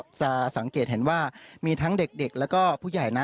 จะสังเกตเห็นว่ามีทั้งเด็กแล้วก็ผู้ใหญ่นะ